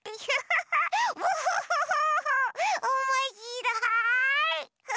おもしろい！